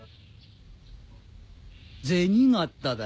銭形だ